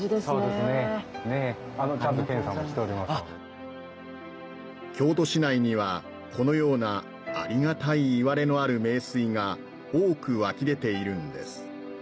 そうですねちゃんと検査もしておりますので京都市内にはこのようなありがたいいわれのある名水が多く湧き出ているんです